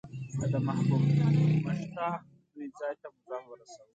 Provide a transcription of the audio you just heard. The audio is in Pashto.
د محبوب مشتاق دوی ځای ته مو ځان ورساوه.